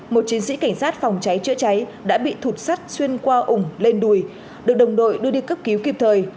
một chiến sĩ cảnh sát phòng cháy chữa cháy đã bị thụt sắt xuyên qua ủng lên đùi được đồng đội đưa đi cấp cứu kịp thời